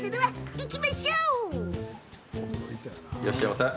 いらっしゃいませ。